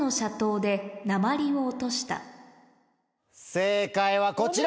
正解はこちら。